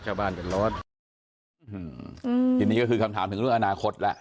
ชาวบ้านเดือดร้อนอืมอืมทีนี้ก็คือคำถามถึงเรื่องอนาคตล่ะ